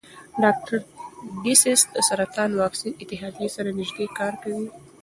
ډاکټر ډسیس د سرطان واکسین اتحادیې سره نژدې کار کوي.